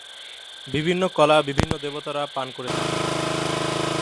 বিভিন্ন কলা বিভিন্ন দেবতারা পান করে থাকেন।